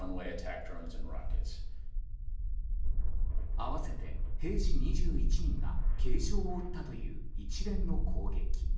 合わせて兵士２１人が軽傷を負ったという一連の攻撃。